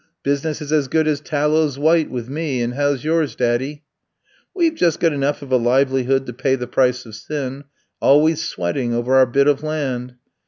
"'Business is as good as tallow's white with me; and how's yours, daddy?' "'We've just got enough of a livelihood to pay the price of sin; always sweating over our bit of land.'